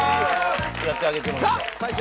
やってあげてもいいよ